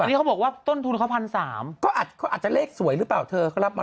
อันนี้เขาบอกว่าต้นทุนเขา๑๓๐๐ก็อาจจะเขาอาจจะเลขสวยหรือเปล่าเธอเขารับมา